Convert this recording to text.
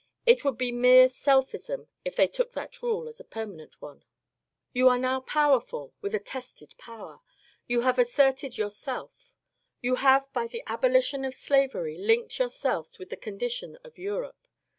It would be mere selfism if they took that rule as a permanent one. 62 MONCURE DANIEL CONWAY You are now powerful with a tested power. Yoa have asserted your self. You have by the abolition of slavery linked your selves with the condition of Europe.